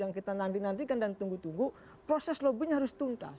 yang kita nanti nantikan dan tunggu tunggu proses lobbynya harus tuntas